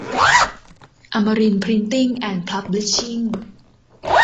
อมรินทร์พริ้นติ้ง แอนด์ พับลิชชิ่ง